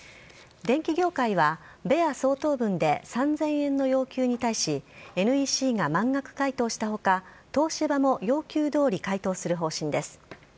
電機業界は、ベア相当分で３０００円の要求に対し、ＮＥＣが満額回答したほか、東芝も要求どおり回答する方針です。